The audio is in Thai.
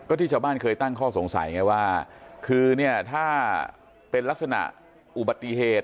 ที่ชาวบ้านเคยตั้งข้อสงสัยไงว่าคือเนี่ยถ้าเป็นลักษณะอุบัติเหตุ